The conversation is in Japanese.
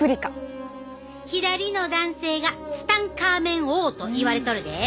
左の男性がツタンカーメン王といわれとるで。